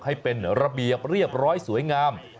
ให้เป็นระเบียบเรียบร้อยสวยงาม